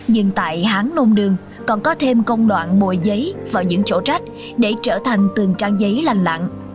nhưng tại hán nôn đường còn có thêm công đoạn mồi giấy vào những chỗ trách để trở thành từng trang giấy lành lặng